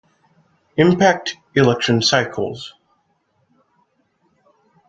Impact elections cycles.